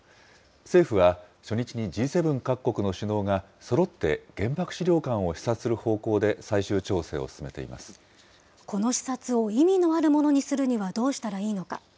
政府は、初日にＧ７各国の首脳がそろって原爆資料館を視察する方向で、最この視察を意味のあるものにするにはどうしたらいいのか。